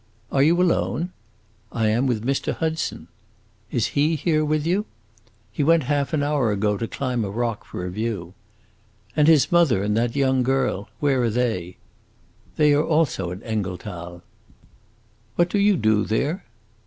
"Are you alone?" "I am with Mr. Hudson." "Is he here with you?" "He went half an hour ago to climb a rock for a view." "And his mother and that young girl, where are they?" "They also are at Engelthal." "What do you do there?"